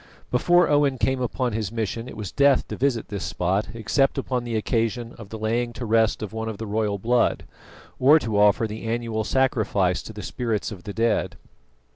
Before Owen came upon his mission it was death to visit this spot except upon the occasion of the laying to rest of one of the royal blood, or to offer the annual sacrifice to the spirits of the dead.